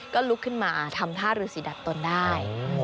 ก็ลุกขึ้นมาทำท่ารือสีดับตนได้